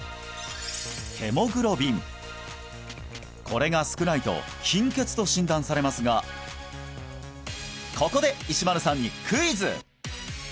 これが少ないと貧血と診断されますがここで石丸さんにクイズ！